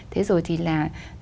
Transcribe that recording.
thế rồi thì là